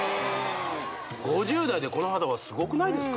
５０代でこの肌はスゴくないですか？